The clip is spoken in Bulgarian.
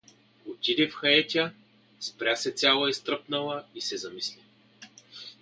Отиде в хаетя, спря се цяла изтръпнала и се замисли.